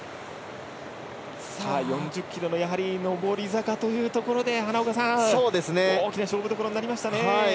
４０ｋｍの上り坂で大きな勝負どころになりましたね。